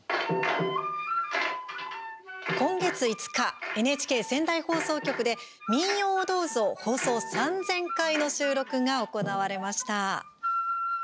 今月５日、ＮＨＫ仙台放送局で「民謡をどうぞ」放送３０００回の収録が行われました。